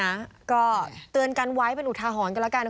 นะก็เตือนกันไว้เป็นอุทาหรณ์กันแล้วกัน